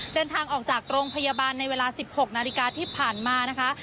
เดินทางออกจากโรงพยาบาลในเวลา๑๖นาฬิกาที่ผ่านมานะคะ